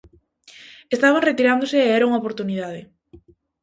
Estaban retirándose e era unha oportunidade.